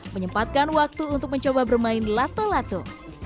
menyempatkan waktu untuk mencoba bermain lato lato